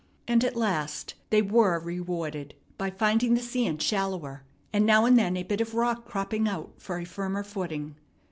And at last they were rewarded by finding the sand shallower, and now and then a bit of rock cropping out for a firmer footing.